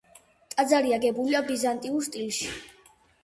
ტაძარი აგებულია ბიზანტიურ სტილში.